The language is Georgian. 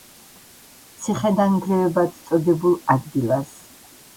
ციხენანგრევებად წოდებულ ადგილას.